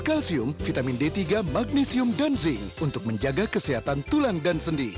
kalsium vitamin d tiga magnesium dan zinc untuk menjaga kesehatan tulang dan sendi